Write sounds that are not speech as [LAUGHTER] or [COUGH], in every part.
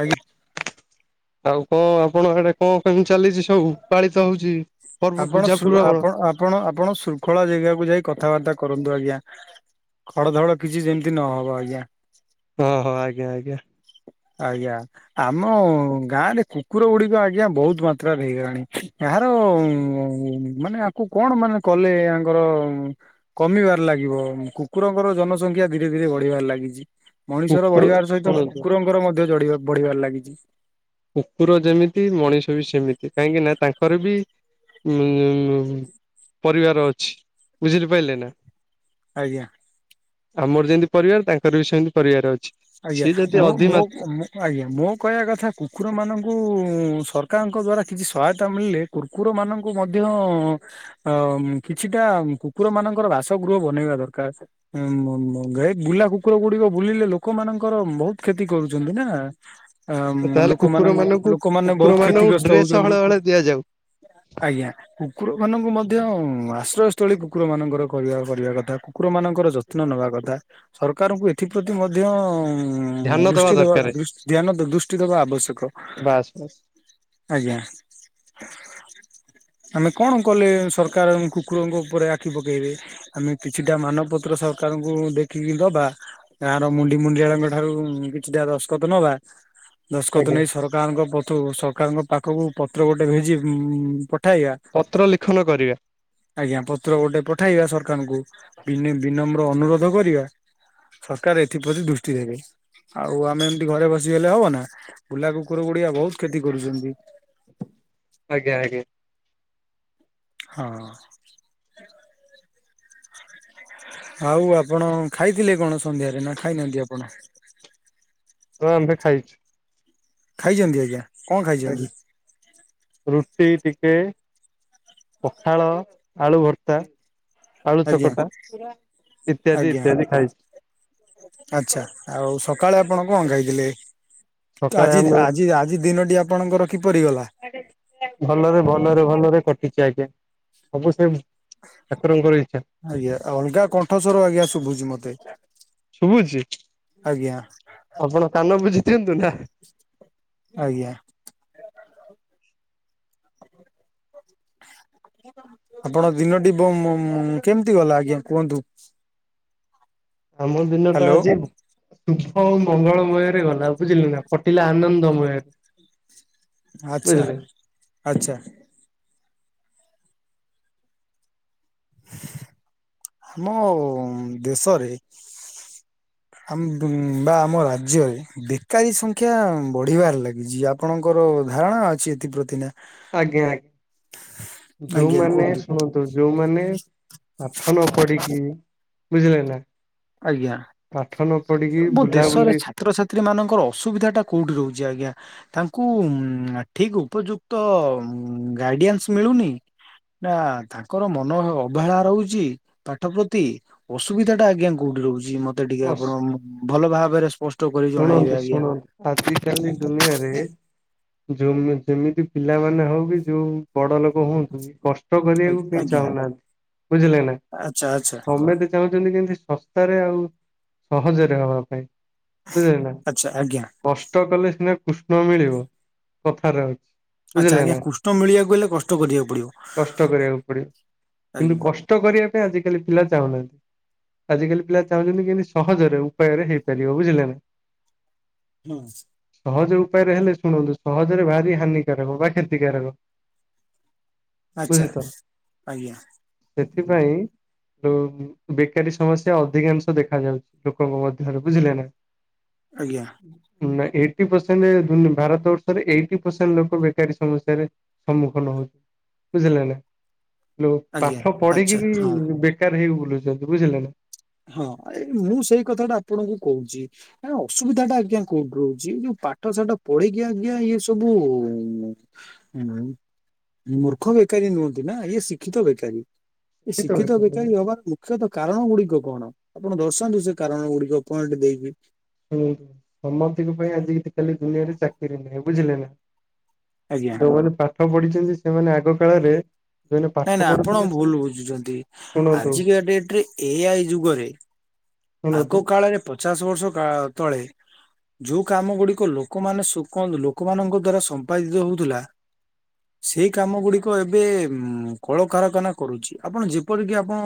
ଆଜ୍ଞା। ଆଉ କଣ ଆପଣ ଆଡେ କଣ କେମି ଚାଲିଚି ସବୁ ପାଳି ଆପଣ ଶୃ ଆପଣ ଆପଣ ଆପଣ ଶୃଙ୍ଖଳା ଜାଗାକୁ ଯାଇ କଥାବାର୍ତ୍ତା କରନ୍ତୁ ଆଜ୍ଞା। ଖଡ ଧଡ଼ କିଛି ଯେମିତି ନହବ ଆଜ୍ଞା। ଓ ହୋ ଆଜ୍ଞା ଆଜ୍ଞା। ଆଜ୍ଞା ଆମ ଗାଁ ରେ କୁକୁର ଗୁଡିକ ଆଜ୍ଞା ବହୁତ ମାତ୍ରାରେ ହେଇଗଲାଣି ଏହାର ମାନେ ଆକୁ କଣ ମାନେ କଲେ ଆଙ୍କର କମିବାର ଲାଗିବ କୁକୁରଙ୍କର ଜନସଂଖ୍ୟା ଧୀରେ ଧୀରେ ବଢିବାରେ ଲାଗିଚି। ମଣିଷର କୁକୁର ବଢିବାର ସହିତ ଶୁଣନ୍ତୁ କୁକୁରଙ୍କ ମଧ୍ୟ ଜଢ ବଢିବାର ଲାଗିଚି। କୁକୁର ଯେମିତି ମଣିଷ ବି ସେମିତି। କାହିଁକି ନା ତାଙ୍କର ଉଁ ଉଁ ଉଁ ପରିବାର ଅଛି ବୁଝିରିପାରିଲେ ନା। ଆଜ୍ଞା। ଆମର ଯେମିତି ପରିବାର ତାଙ୍କର ବି ସେମିତି ପରିବାର ଅଛି। ଆଜ୍ଞା ସିଏ ଯଦି ମ ଅଧି ମୋ ମା ଆଜ୍ଞା ମୋ କହିବା କଥା କୁକୁର ମାନଙ୍କ କୁ ସରକାରଙ୍କ ଦ୍ଵାରା କିଛି ସହାୟତା ମିଳିଲେ କୁକୁର ମାନଙ୍କୁ ମଧ୍ୟ ଅ କିଛିଟା କୁକୁର ମାନଙ୍କର ବାସଗୃହ ବନେଇବା ଦରକାର ଏ ମ୍ ମ୍ ବୁଲା କୁକୁର ଗୁଡିକ ବୁଲିଲେ ଲୋକ ଲୋକ ମାନଙ୍କର ବହୁତ କ୍ଷତି କରୁଚନ୍ତି ନା। ଆ ଅଁ ତାହେଲେ କୁକୁର ଲୋକମାନଙ୍କ ମାନଙ୍କୁ ଲୋକମାନେ କୁକୁର ବହୁତ ମାନଙ୍କୁ କ୍ଷତିଗ୍ରସ୍ତ ଡ୍ରେସ ହଉଚନ୍ତି ହଳେ ହଳେ ଦିଆଯାଉ ଆଜ୍ଞା। କୁକୁରମାନାନଙ୍କୁ ମଧ୍ୟ ଆଶ୍ରୟସ୍ଥଳୀ କୁକୁରମାନାନଙ୍କର କରିବା କରିବା କଥା କୁକୁରମାନଙ୍କର ଯତ୍ନ ନେବା କଥା ସରକାରଙ୍କୁ ଏଥିପ୍ରତି ମଧ୍ୟ ମଧ୍ୟ ଉ ଧ୍ୟାନ ଦବା ଦୃଷ୍ଟି ଦେବା ଦରକାର ଦୃଷ୍ଟି ଧ୍ୟାନ ଦୃଷ୍ଟି ଦେବା ଆବଶ୍ୟକ ବାସ୍ ବାସ୍ ଆଜ୍ଞା। ଆମେ କଣ କଲେ ସରକାର କୁକୁରଙ୍କ ଉପରେ ଆଖି ପକେଇବେ ଆମେ କିଛିଟା ମାନପତ୍ର ସରକାରଙ୍କୁ ଦେଖିକି ଦବା। ମୁଣ୍ଡି ମୁଣ୍ଡିଆଡଙ୍କ ଠାରୁ କିଛିଟା ଦଶଖତ ନବା। ଦଶଖତ ଆଜ୍ଞା ନେଇ ସରକାରଙ୍କ ତ ସରକାରଙ୍କ ପାଖକୁ ପତ୍ର ଗୋଟେ ଭେଜି ପତ୍ର ଲିଖନ କରିବା ଆଜଞା ପତ୍ର ଗୋଟେ ପଠବା ସରକାରଙ୍କୁ ଅନୁରୋଧ କରିବା। ସର ଏଥିପ୍ରତି ଦୃଷ୍ଟି ଦେବେ ଆଉ ଆମେ ଏମତି ଘରେ ବସିଗଲେ ହବ ନା ବୁଲା କୁକୁର ଗୁଡିଆ ବହୁତ କ୍ଷତି କରୁଛନ୍ତି। ଆଜ୍ଞା ଆଜ୍ଞା। ହଁ। ଆଉ ଆପଣ ଖାଇଥିଲେ କଣ ସନ୍ଧ୍ୟାରେ ନା ଖାଇନାହାନ୍ତି ଆପଣ ତ ଆମବେେ ଖାଇଛୁ। ଖାଇଛନ୍ତି ଆଜ୍ଞା। କଣ ଖାଇଛନ୍ତି [UNINTELLIGIBLE] ଟିକେ ପଖାଳ, ଆଳୁ ଭର୍ତା ଆଜ୍ଞା, ଇତ୍ୟାଦି ଆଜ୍ଞା। ଇତ୍ୟାଦି ଖାଇଛି ଆଛା, ଆଉ ସକାଳେ ଆପଣ କଣ ଖାଇଥିଲେ? ସକାଳେ ଆଜି ଆମେ ଆଜି ଆଜି ଦିନଟି ଆପଣଙ୍କର କିପରି ଗଲା? ଭଲରେ ଭଲରେ ଭଲରେ କଟି ଆଠ୍େ ଆଜ୍ଞା ସବୁ ସେ [UNINTELLIGIBLE] ଠାକୁରଙ୍କର ଇଚ୍ଛା ଆଜ୍ଞା, ଅଲଗା କଣ୍ଠ ସ୍ବର ଆଜ୍ଞା, ଶୁଭୁଛି ମତେ। ଦେିକା [UNINTELLIGIBLE] ଶୁଭୁଛି, ଆପଣ କାନ ବୁଝି ଦିଅନ୍ତୁ ନା। ଆଜ୍ଞା ଆପଣ ଦିନଟି ବମ୍ ମଁ କେମିତି ଗଲା ଆଜ୍ଞା କୁହନ୍ତୁ। ଆମ ଦିନ ଟା ହ୍ୟାଲୋ ଆଜି ହଉ ମଙ୍ଗଳମୟରେ ଗଲା ବୁଝିଲ ନା ଫଟିଲା ଆନନ୍ଦମୟରେ। ଆଚ୍ଛା। ବୁଝିଲେ ଆଚ୍ଛା। ଆମ ଦେଶରେ ଆମ୍ ବ ବା ଆମ ରାଜ୍ୟରେ ବେକାରୀ ସଂଖ୍ୟା ବଢିବାରେ ଲାଗିଛି। ଆପଣଙ୍କର ଧାରଣା ଅଛି ଏଥିପ୍ରତି, ନା ଆଜ୍ଞା, ଆଜ୍ଞା। ଆଜ୍ଞା ଯୋଉମାନେ କୁହନ୍ତୁ। ଶୁଣନ୍ତୁ, ଯୋଉମାନେ ପାଠ ନ ପଢିକି ବୁଝିଲେ ନା ଆଜ୍ଞା, ପାଠ ନ ପଢିକି ମୁଁ ଦେଶରେ ବୁଲାବୁଲି ଛାତ୍ରଛାତ୍ରୀ ମାନଙ୍କର ଅସୁବିଧା ଟା କୋଉଠି ରହୁଛି, ଆଜ୍ଞା? ତାଙ୍କୁ, ମଁ ଠିକ ଉପଯୁକ୍ତ ଗାଡିଆନ୍ସ୍ ମିଳୁନି, ନା ତାଙ୍କର ମନ ଅବହେଳା ରହୁଛି ପାଠ ପ୍ରତି। ଅସୁବିଧାଟା ଆଜ୍ଞା କ କୋଉଠି ରହୁଛି ମତେ ଟିକେ ଆପଣ ଭଲ ଭାବରେ ସ୍ପଷ୍ଟ କରି ଜଣାଇବେ ଶୁଣନ୍ତୁ ଆଜ୍ଞା। ଶୁଣନ୍ତୁ ଆଜିିକାଲି ଦୁନିଆରେ ଯେମି ଯେମିତି ପିଲାମାନେ ହଉ କି ଯୋଉ ବଡ ଲୋକ କହନ୍ତୁ, କଷ୍ଟ କରିବାକୁ କେହି ଆଜ୍ଞା ଚାହୁଁନାହାନ୍ତି, ବୁଝିଲେ ନା ଆଚ୍ଛା ଆଚ୍ଛା ସମେତେ ଚାହୁଁଛନ୍ତି, କେମତି ଶସ୍ତାରେ ଆଉ ସହଜରେ ହବା ପାଇଁ ବୁଝିଲନା, ଆଚ୍ଛା ଆଜ୍ଞା କଷ୍ଟ କଲେ ସିନା କୃଷ୍ଣ ମିଳିବ, କଥାରେ ଅଛି। ଆଚ୍ଛା, ବୁଝିଲେ ଆଜ୍ଞା ନା କୁଷ୍ଣ୍ଟ ମିଳିବାକୁ ଗଲେ କଷ୍ଟ କରିଆକୁ କଷ୍ଟ କରିବାକୁ ପଡିବ, କିନ୍ତୁ ଆଜ୍ଞା। କଷ୍ଟ କରିବା ପାଇଁ ଆଜିକାଲି ପିଲା ଚାହୁଁନାହାନ୍ତି। ଆଜିକାଲି ପିଲା ଚାହୁଁଛନ୍ତି, କେମିତି ସହଜରେ ଉପାୟରେ ହେଇପାରିବ, ବୁଝିଲେ ନା ହଁ ସହଜ ଉପାୟରେ ହେଲେ, ଶୁଣନ୍ତୁ, ସହଜରେ ଭାରି ହାନିକାରକ ବା କ୍ଷତିକାରକ ଆଚ୍ଛା ବୁଝୀ ତ ଆଜ୍ଞା ସେଥିପାଇଁ ବେକାରୀ ସମସ୍ୟା ଅଧିକାଂଶ ଦେଖା ଯାଉଛି ଲୋକଙ୍କ ମଧ୍ୟରେ ବୁଝିଲେ ନା ଆଜ୍ଞା। ନା ଏଇଟି ପରସେଣ୍ଟ ଭାରତ ବର୍ଷରେ ଏଇଟି ପରସେଣ୍ଟ ଲୋକ ବେକାରୀ ସମସ୍ୟାରେ ସମ୍ମୁଖୀନ ହଉଛନ୍ତି। ବୁଝିଲ ନା ଆଜ୍ଞା ଆଚ୍ଛା ହଁ। [INAUDIBLE] [INAUDIBLE] ହଁ ଏ ମୁଁ ସେଇ କଥାଟା ଆପଣଙ୍କୁ କହୁଛି ଅସୁବିଧା ଟା ଆଜ୍ଞା କୋଉଠି ରହୁଛି ଯୋଉ ପାଠ ସାଠ ପଢିକି ଆଜ୍ଞା ଇଏ ସବୁ ଉଁ ମୂର୍ଖ ବେକାରୀ ନୁହନ୍ତି ନା ଇଏ ଶିକ୍ଷିତ ବେକାରୀ। ଏ ଏତିକି ତ ଶିକ୍ଷିତ ବେକାର ଲୋକ। ବେକାରୀ ହବା ମୁଖ୍ୟ ତ କା କାରଣ ଗୁଡ଼ିକ ଆପଣ ଦର୍ଶାନ୍ତୁ ସେ କାରଣ ଗୁଡିକ ପଏଣ୍ଟ ଦେଇକି ହୁଁ ସମସ୍ତିଙ୍କ ପାଇଁ ଆଜି କାଲି ଦୁନିଆରେ ଚାକିରି ନାଇଁ ବୁଝିଲେ ନା। ଆଜ୍ଞା ଯୋଉମାନେ ପାଠ ପଢି କିନ୍ତୁ ସେମାନେ ଆଗ କାଳରେ ଯୋଉମାନେ ପାଠ ନାଇଁ ନାଇଁ ଆପଣ ପଢୁଥିଲେ ଭୁଲ ସେମାନେ ବୁଝୁଛନ୍ତି ଶୁଣନ୍ତୁ ଆଜିକା ଡେଟରେ ଏ ଆଇ ଯୁଗରେ ଶୁଣନ୍ତୁ ଆଗ କାଳରେ ପଚାଶ ବର୍ ର୍ଷ କା ତଳେ ଯୋଉ କାମ ଗୁଡିକ ଲୋକମାନେ ସୁକନ୍ତୁ ଲୋକମାନଙ୍କ ଦ୍ଵାରା ସମ୍ପାଦିତ ହଉଥିଲା ସେଇ କାମ ଗୁଡିକ ଉଁ ଏବେ କଳକାରଖାନା କରୁଛି ଆପଣ ଯେପରିକି ଆପଣ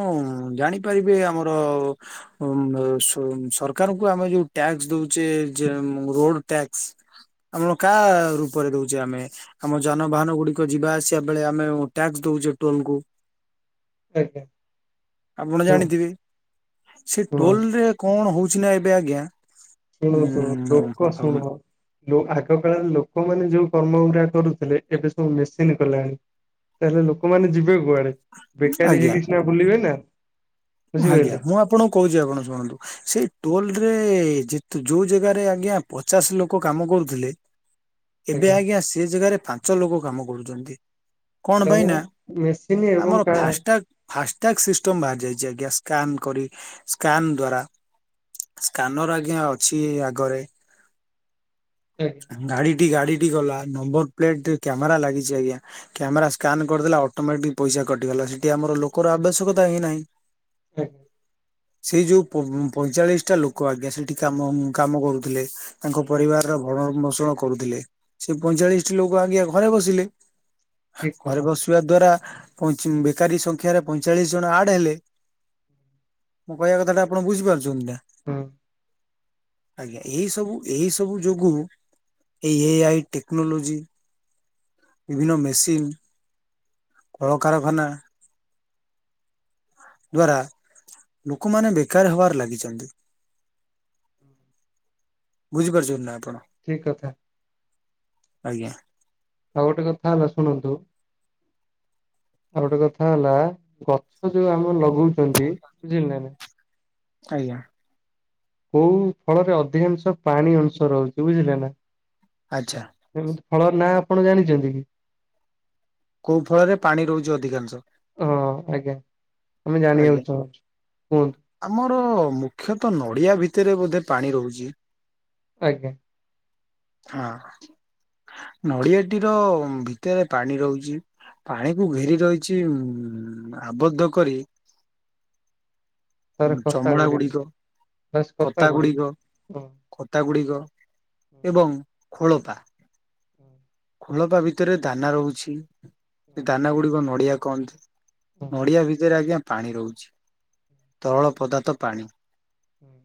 ଜାଣିପାରିବେ ଆମର ଉଁ ମେଁ ସୁ ସରକାରଙ୍କୁ ଆମେ ଯୋଉ ଟ୍ୟାକ୍ସ ଦଉଛେ ଯେ ରୋଡ ଟ୍ୟାକ୍ସ ଆମ କା ରୂପରେ ଦଉଛେ ଆମେ ଆମ ଯାନବାହାନ ଗୁଡିକ ଯିବା ଆସିବା ବେଳେ ଆମେ ଟ୍ୟାକ୍ସ ଦଉଛେ ଟୋଲକୁ ଆଜ୍ଞା ଆପଣ ଶୁଣ ଜାଣିଥିବେ ସେ ଟୋଲରେ କଣ ହଉ ଅଛି ନା ଏବେ ଆଜ୍ଞା ଶୁଣତୁ ଡୋକ ଉଁ ଶୁଣ ଯୋଉ ଆଗ କାଳରେ ଲୋକମାନେ ଯୋଉ କର୍ମ ଗୁଡା କରୁଥିଲେ ଏବେ ସବୁ ମେସିନ୍ କଲାଣି ତାହେଲେ ଲୋକମାନେ ଯିବେ କୁଆଡେ ବେକାରୀ ଆଜ୍ଞା ହେଇ କିଛିନା ବୁଲିବେ ନା। ଆଜ୍ଞା ବୁଝିପାରିଲେ ମୁଁ ଆପଣଙ୍କୁ କହୁଛି ଆପଣ ଶୁଣନ୍ତୁ ସେଇ ଟୋଲ ରେ ଯେଥି ଯୋଉ ଜାଗାରେ ଆଜ୍ଞା ପଚାଶ ଲୋକ କାମ କରୁଥିଲେ। ଏବେ ଆଜ୍ଞା ସେ ଜାଗାରେ ଫା ପାଞ୍ଚ ଲୋକ କାମ କରୁଛନ୍ତି। କାହିଁକିନା କଣପାଇଁନା ମେସିନ୍ ଏବଂ ଆମର କା ଫାଷ୍ଟଟାଗ ଫାଷ୍ଟଟ୍ୟାଗ ସିଷ୍ଟମ ବାହାରି ଯାଇ ଗ୍ୟାସ ସ୍କାନ କରି ସ୍କାନ ଦ୍ଵାରା ସ୍କାନର ଆଜ୍ଞା ଅଛି ଆଗରେ ଆଜ୍ଞା ଗାଡି ଟି ଗାଡି ଟି ଗଲା ନମ୍ବର ପ୍ଲେଟ୍ କ୍ୟାମେରା ଲାଗିଛି ଆଜ୍ଞା କ୍ୟାମେରା ସ୍କାନ୍ କରିଦେଲେ ଅଟୋମେଟିକ ପଇସା କଟିଗଲା, ସେଠି ଆମର ଲୋକର ଆବଶ୍ୟକତା ହିଁ ନାହିଁ। ଆଜ୍ଞା ସେଇ ଯୋଉ ପ-ପଇଁଚାଳିଶ ଟା ଲୋକ ଆଜ୍ଞା ସେଠି କାମ-କାମ କରୁଥିଲେ। ତାଙ୍କ ପରିବାରର ଭରଣଭୋଷଣ କରୁଥିଲେ। ସେ ପଇଁଚାଳିଶଟି ଲୋକ ଆଜ୍ଞା ଘରେ ବସିଲେ। ଠିକ୍ ଘରେ କଥା ବସିବା ଦ୍ଵାରା ପଇଁଚି ବେକାରୀ ସଂଖ୍ୟାରେ ପଇଁଚାଳିଶ ଜଣ ଆଡ ହେଲେ ମୁଁ କହିବା କଥା ଟା ଆପଣ ବୁଝିପାରୁଚନ୍ତି ନା? ହଁ। ଆଜ୍ଞା ଏହି ସବୁ ଏହି ସବୁ ଯୋଗୁ ଏଇ ଏ ଆଇ ଟେକ୍ନୋଲୋଜି, ବିଭିନ୍ନ ମେସିନ, କଳକାରଖାନା ଦ୍ୱାରା ଲୋକମାନେ ବେକାର ହେବାରେ ଲାଗିଚନ୍ତି। ବୁଝିପାରୁଚ ନା? ଆପଣ? ଠିକ କଥା। ଆଜ୍ଞା। ଆଉ ଗୋଟେ କଥା ହେଲା ଶୁଣନ୍ତୁ ଆଉ ଗୋଟେ କଥା ହେଲା ଗଛ ଯୋଉ ଆମେ ଲଗ [UNINTELLIGIBLE] ବୁଝିଲ ନାଇ ଆଜ୍ଞା। କୋଉ ଫଳରେ ଅଧିକାଂଶ ପାଣି ଅଂଶ ରହୁଛି ବୁଝିଲେ ନା ଆଚ୍ଛା। ଏମିତି ଫଳର ନାଁ ଆପଣ ଜାଣିଛନ୍ତି କି? କୋଉ ଫଳରେ ପାଣି ରହୁଛି ଅଧିକାଂଶ? ମୁଁ ଆଜ୍ଞା। ଜାଣିବାକୁ ଚାହୁଁଚି କୁହନ୍ତୁ। ଆମର ମୁଖ୍ୟତଃ ନଡିଆ ଭିତରେ ବୋଧେ ପାଣି ରହୁଛି। ଆଜ୍ଞା। ହଁ ନଡ଼ିଆଟି ର ଭିତରେ ପାଣି ରହୁଛି ପାଣିକୁ ଘେରି ରହିଛି ଉ ଆବଦ୍ଧ କରି ତାର କଥା ଚମଡା ଗୁଡିକ ବାସ୍ କଥା କତା ଗୁଡିକ ହୁଁ କତା ଗୁଡିକ ହୁଁ ଏବଂ ଖୋଳପା ହୁଁ। ଖୋଳପ ଭିତରେ ଦାନା ରହୁଛି। ସେ ଦାନା ଗୁଡିକନ ଓଡ଼ିଆ କହନ୍ତି। ହୁଁ ହୁଁ ଓଡିଆ ଭିତରେ ଆଜ୍ଞା ପାଣି ରହୁଛି ତରଳ ପଦାର୍ଥ ପାଣି ହୁଁ।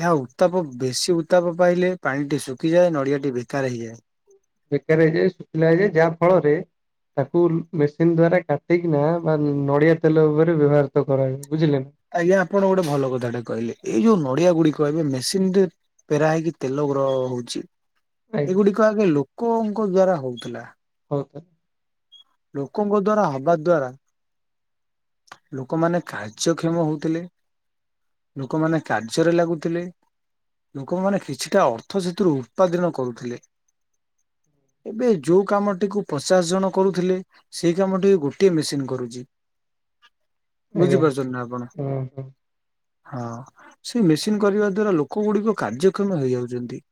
ଏହା ଉତ୍ତାପ ବେଶୀ ଉତ୍ତାପ ପାଇଲେ ପାଣିଟି ଶୁଖିଯାଏ ନଡ଼ିଆଟି ବେକାର ହେଇଯାଏ। ବେକାର ହେଇଯାଏ ଶୁଖିଲା ହେଇଯାଏ ଯାହା ଫଳରେ ତାକୁ ମେସିନ ଦ୍ଵାରା କାଟିକିନା ବା ନଡିଆ ତେଲ ଉପରେ ବ୍ୟବହୃତ କରା। ଆଜ୍ଞା ଆପଣ ଗୋଟେ ଭଲ କଥାଟା କହିଲେ ଏଇ ଯୋଉ ପରଡିଆ ଗୁଡିକ ଏବେ ମେସିନ ରେ ପେରା ହେଇକି ତେଲ ଗ୍ର ହଉଛି। ଆଜ୍ଞା ଏଗୁଡିକ ଆଗେ କଙ୍କ ଦ୍ଵାରା ହଉଥିଲା। ହଉ ତ ଲୋକଙ୍କ ଦ୍ଵାରା ହବା ଦ୍ଵାରା ଲୋକମାନେ କାର୍ଯ୍ୟକ୍ଷମ ହଉଥିଲେ ଲୋକମାନେ କାର୍ଯ୍ୟରେ ଲାଗୁଥିଲେ ଲୋକମାନେ କିଛିଟା ଅର୍ଥ ସେଥିରୁ ଉତ୍ପାଦନ କରୁଥିଲେ ଏବେ ଯୋଉ କାମଟିକୁ ପଚାଶ ଜଣ କରୁଥିଲେ ସେଇ କାମଟିକୁ ଗୋଟିଏ ମେସିନ କରୁଛି। ଆଜ୍ଞା ବୁଝିପାରୁଛନ୍ତି ନା ଆପଣ ହୁଁ ହୁଁ ହଁ ସେଇ ମେସିନ କରିବା ଦ୍ଵାରା ଲୋକ ଗୁଡିକ କାର୍ଯ୍ୟକ୍ଷମ ହେଇଯାଉଛନ୍ତି।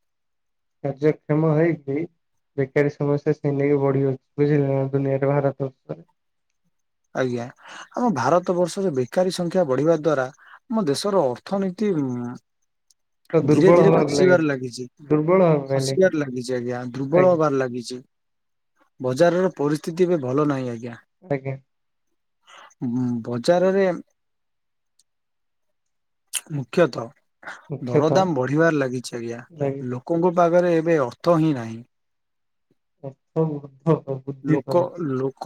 କାର୍ଯ୍ୟକ୍ଷମ ହେଇକି ବେକାରୀ ସମସ୍ୟା ସି ନେଇକି ବଢି ଅଛି ବୁଝିଲ ନା ଦୁନିଆରେ ଭାରତର୍ଷରେ ଆଜ୍ଞା ଆମ ଭାରତ ବର୍ଷରେ ବେକାରୀ ସଂଖ୍ୟା ବଢିବା ଦ୍ଵାରା ଆମ ଦେଶର ଅର୍ଥନୀତି ଉ ତ ଧୀରେ ଦୁର୍ବଳ ଧୀରେ ହବାକୁ ଖସିବାର ଲାଗିଛି ଦୁର୍ବଳ ହବା ପାଇଁ ଖସିବାର ଲାଗିଛି ଆଜ୍ଞା ଦୁର୍ବଳ ଆଜ୍ଞା ହବାର ଲାଗିଛି ବଜାରର। ପରିସ୍ଥିତି ଏବେ ଭଲ ନାହିଁ ଆଜ୍ଞା। ଆଜ୍ଞା। ହୁଁ। ବଜାରରେ। ମୁଖ୍ୟତଃ ମୁଖ୍ୟତଃ ଦରଦାମ ବଢିବାର ଲାଗିଛି ଆଜ୍ଞା ଲାଗିଛି ଲୋକଙ୍କ ପାଖରେ କେବେ ଅର୍ଥ ହିଁ ନାହିଁ ଅର୍ଥ ଉଦ୍ଧ ବୁଦ୍ଧି ଲୋକ ପାଉଛି ଲୋକ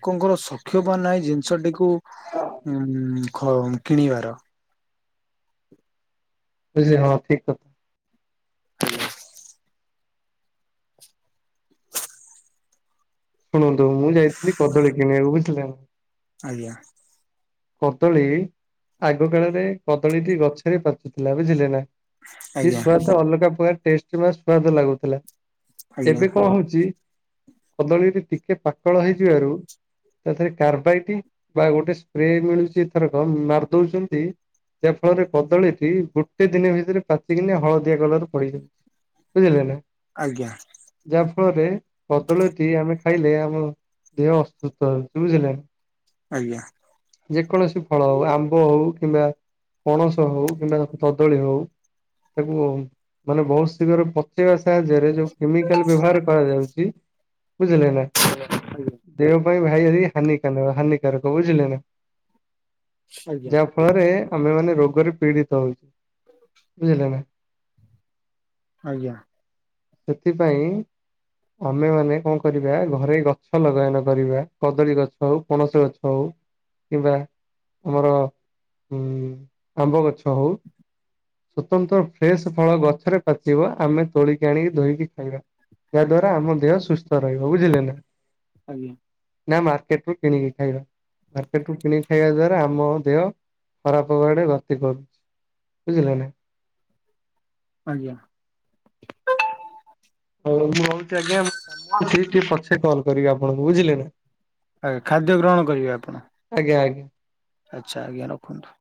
ଲୋକଙ୍କର ସକ୍ଷ ବା ନାହିଁ ଜିନିଷଟିକୁ ବୁଝିଲେ ଉ କିଣିବାର ବୁଝିଲ ହଁ ଠିକ କଥା। ହୁ ଶୁଣନ୍ତୁ ମୁଁ ଯାଇଥିଲି କଦଳୀ କିଣିବାକୁ ବୁଝିଲେ ନା। ଆଜ୍ଞା। କଦଳୀ ଆଗ କାଳରେ କଦଳୀଟି ଗଛରେ ପାଚୁଥିଲା ବୁଝିଲେ ନା ସେିଏ ଆଜ୍ଞା ଶଆ ତ ଅଲଗା ପରେ। ସ୍ାଦ ଲାଗୁଥିଲା। ଆଜ୍ଞା ଏବେ କଣ ହଉଛି। କଦଳୀରେ ଟିକେ ପାାତଳ ହେଇଯିବାରୁ ତାରେ କାର୍ବାଇ ବା ଗୋଟେ ସ୍ପ୍ରେ ମିଳୁଛିଥରକ ମାରିଦଉଛନ୍ତି ଯାହା ଫଳରେ କଦଳୀଟି ଗୋଟେ ଦିନ ଭିତରେ ପାଚିକନାି ହଳଦିଆ କଲର ପଡିଯାଉଛି ବୁଝିଲେ ନା। ଆଜ୍ଞା। ଯାହା ଫଳରେ କଦଳୀଟି ଆମେ ଖାଇଲେ ଆମ ଦେହ ଅସୁସ୍ଥ ରଉଛି ବୁଝିଲ। ଆଜ୍ଞା। ଯେକୌଣସି ଫଳ ହଉ ଆମ୍ବ ହଉ କିମ୍ବା ପଣସ ହଉ କିମ୍ବା ତାକୁ କଦଳୀ ହଉ ତାକୁ ମାନେ ବହୁତ ଶୀଘ୍ର ବ ସାହାଯ୍ୟରେ ଯୋଉ କେମିକାଲ ବ୍ୟବହାର କରାଯାଉଛି। ବୁଝିଲେ ନାଇଁ। ଆ ଭାଇ ଯଦି ହାନି କ ହାନିାରକ ବୁଝିଲେ ନା। ଆଜ୍ଞା ଆଜ୍ଞା ଯାହା ଫଳରେ ଆମେ ମାନେ ରୋଗରେ ପୀଡିତ ହଉଛୁ। ବୁଝିଲ ନା ଆଜ୍ଞା। ସେଥିପାଇଁ ଆମେମାନୋନ କଣ କରିବା ଘରେ ଗଛ ଲଗାଇନ କରିବା କଦଳୀ ଗଛ ହଉ ପଣସ ଗଛ ହଉ। [INAUDIBLE] ଆଜ୍ଞା। ନା ମାର୍କେଟ ରୁ କିଣିକି ଖାଇବା। ମାର୍କେଟ ରୁ କିଣି ଖାଇବା ଦ୍ଵାରା ଆମ ଦେହ ଖରାପ ହବାଡେ ଗତି କରୁଛି ବୁଝିଲ ନା। ଆଜ୍ଞା। ଉ ମୁଁ ହଉଛି ଆଜ୍ଞା ଟିକେ ପଛେ କଲ୍ କରି ଆପଣଙ୍କୁ ବୁଝିଲେ ନା ଆଜା ଖାଦ୍ୟ ଗ୍ରହଣ କରିବେ ଆପଣ ଆଗ ଆଚ୍ଛା ଆଜ୍ଞା ରଖନ୍ତୁ।